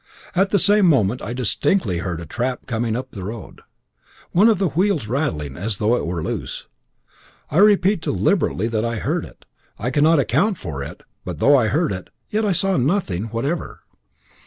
At the same moment I distinctly heard a trap coming up the road, one of the wheels rattling as though it were loose. I repeat deliberately that I heard it I cannot account for it but, though I heard it, yet I saw nothing whatever.